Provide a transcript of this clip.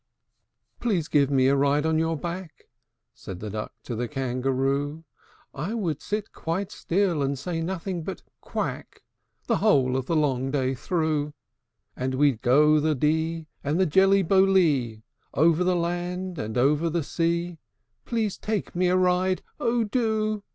II. "Please give me a ride on your back," Said the Duck to the Kangaroo: "I would sit quite still, and say nothing but 'Quack' The whole of the long day through; And we 'd go the Dee, and the Jelly Bo Lee, Over the land, and over the sea: Please take me a ride! oh, do!"